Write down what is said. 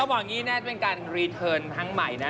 ต้องบอกอย่างนี้นะมันเป็นการรีเทิร์นทั้งใหม่นะ